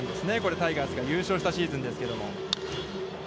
タイガースが優勝したシーズンですけれども。